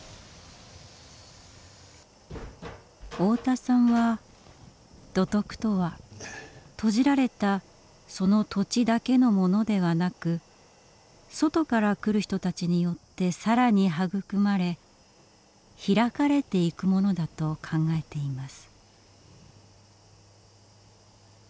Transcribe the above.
太田さんは土徳とは閉じられたその土地だけのものではなく外から来る人たちによって更に育まれ開かれていくものだと考えています。